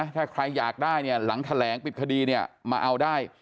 ถ้าใครอยากได้เนี่ยหลังแถลงปิดคดีเนี่ยมาเอาได้